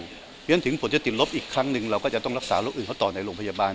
เพราะฉะนั้นถึงผลจะติดลบอีกครั้งหนึ่งเราก็จะต้องรักษาโรคอื่นเขาต่อในโรงพยาบาล